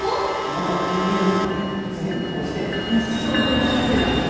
元金融マンですでに投資で一生分は稼いだＦＩＲＥ